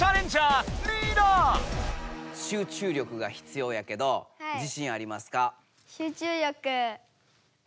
集中力がひつようやけど自しんありますか？